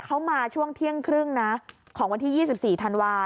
เขามาช่วงเที่ยงครึ่งนะของวันที่ยี่สิบสี่ธันวาล